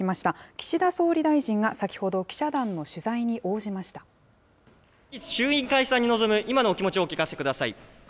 岸田総理大臣が先ほど記者団の取衆院解散に臨む、今のお気持ちをお聞かせください。